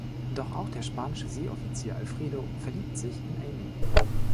Doch auch der spanische Seeoffizier Alfredo verliebt sich in Amy.